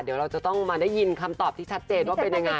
เดี๋ยวเราจะต้องมาได้ยินคำตอบที่ชัดเจนว่าเป็นยังไง